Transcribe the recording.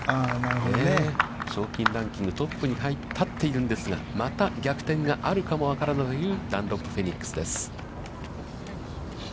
賞金ランキングトップに立っているんですが、また逆転があるかも分からないというダンロップフェニックスです。